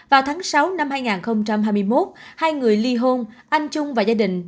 vào tháng sáu năm hai nghìn hai mươi một hai người li hôn anh trung và gia đình